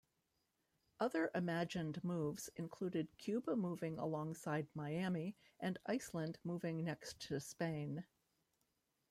Other imagined moves included Cuba moving alongside Miami, and Iceland moving next to Spain.